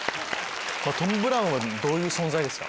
トム・ブラウンはどういう存在ですか？